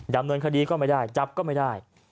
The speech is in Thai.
ดำเนินคดีก็ไม่ได้จับก็ไม่ได้